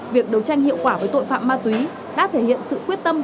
việc đấu tranh hiệu quả với tội phạm ma túy đã thể hiện sự quyết tâm